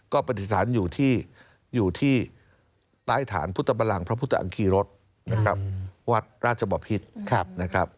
ก็ปฏิษฐานอยู่ที่ต้ายฐานพุทธบลางพระพุทธอังกฤษวัดราชบอภิษฐาน